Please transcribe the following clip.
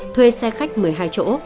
thuê xe khách một mươi hai chỗ